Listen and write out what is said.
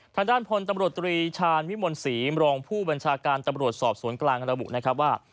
ทางด้านพลตำรวจตรีชาญวิมลศรีมรองผู้บัญชาการตำรวจสอบสวนกลางระบุนะครับว่า